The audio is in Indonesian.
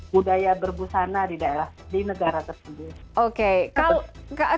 budaya berbusana di negara tersebut